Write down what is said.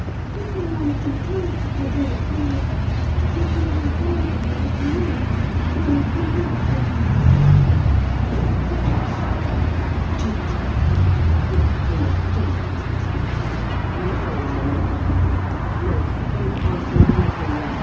If I am compelled to forego it to night, there shall be a wilder one to morrow, when Clodoche arrives.'" "Clodoche! By Jupiter!" Cleek almost jumped as he spoke. "Now I know the 'lay'! No; don't ask me anything yet.